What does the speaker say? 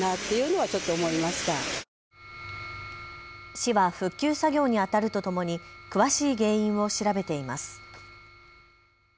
市は復旧作業にあたるとともに詳しい原因を調べています。